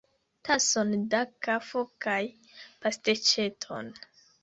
Tason da kafo kaj pasteĉeton!